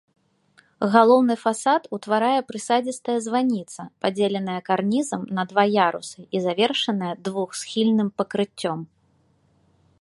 Галоўны фасад утварае прысадзістая званіца, падзеленая карнізам на два ярусы і завершаная двухсхільным пакрыццём.